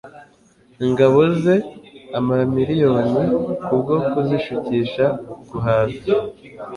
ingabo ze amamiliyoni kubwo kuzishukisha guhaza